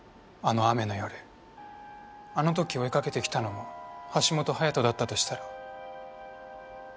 あの時追いかけてきたのも橋本隼斗だったとしたら？